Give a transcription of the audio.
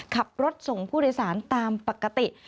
ขับรถส่งผู้โดยสารตามปกติ